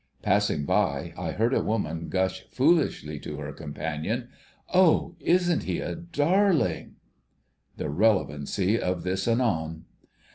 Passing by, I heard a woman gush foolishly to her companion, "Oh, isn't he a darling!" The relevancy of this anon.